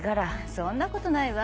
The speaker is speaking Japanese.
そんなことないわ。